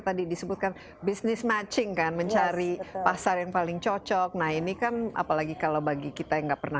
tadi disebutkan bisnis matching kan mencari pasar yang paling cocok nah ini kan apalagi kalau bagi kita yang ada di dalam ini